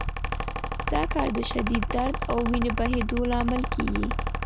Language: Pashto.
دا کار د شدید درد او وینې بهېدو لامل کېږي.